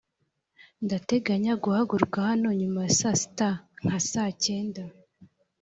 ndateganya guhaguruka hano nyuma ya saa sita nka saa kenda